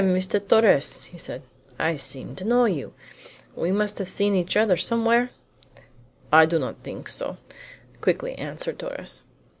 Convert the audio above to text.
Mr. Torres," said he; "I seem to know you. We must have seen each other somewhere?" "I do not think so," quickly answered Torres.